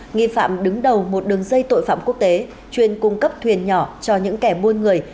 nghi phạm đứng đầu một đường dây tội phạm quốc tế chuyên cung cấp thuyền nhỏ cho những kẻ buôn người